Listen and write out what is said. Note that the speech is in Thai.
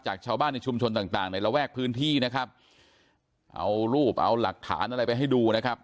ชาวบ้านในชุมชนต่างต่างในระแวกพื้นที่นะครับเอารูปเอาหลักฐานอะไรไปให้ดูนะครับ